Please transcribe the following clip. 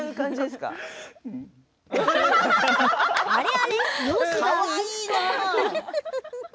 かわいいな。